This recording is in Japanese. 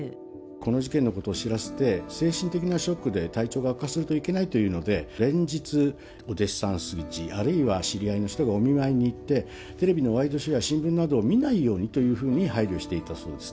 この事件のことを知らせて、精神的なショックで体調が悪化するといけないというので、連日、お弟子さんや、あるいは知り合いの人がお見舞いに行って、テレビのワイドショーや新聞などを見ないようにというふうに配慮していたそうです。